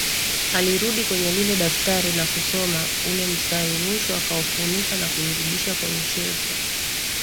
Alirudi kwenye lile daftari na kusoma ule mtaa mwisho akafunika na kulirudisha kwenye shelfu